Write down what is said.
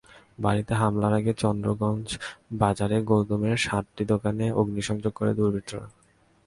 বাড়িতে হামলার আগে চন্দ্রগঞ্জ বাজারে গৌতমের সাতটি দোকানে অগ্নিসংযোগ করে দুর্বৃত্তরা।